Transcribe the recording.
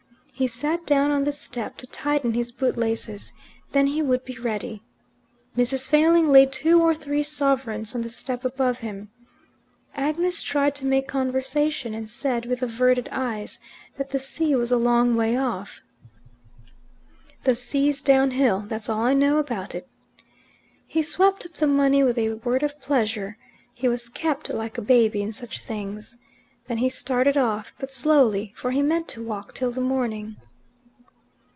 He sat down on the step to tighten his bootlaces. Then he would be ready. Mrs. Failing laid two or three sovereigns on the step above him. Agnes tried to make conversation, and said, with averted eyes, that the sea was a long way off. "The sea's downhill. That's all I know about it." He swept up the money with a word of pleasure: he was kept like a baby in such things. Then he started off, but slowly, for he meant to walk till the morning.